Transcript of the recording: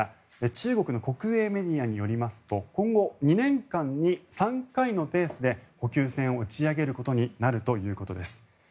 中国の国営メディアによりますと今後２年間に３回のペースで補給船を打ち上げることになるということです。